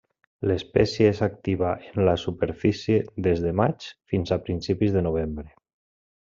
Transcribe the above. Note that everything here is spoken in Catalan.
L'espècie és activa en la superfície des de maig fins a principis de novembre.